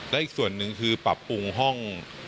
และอีกส่วนนึงเป็นปรับปรุงห้อง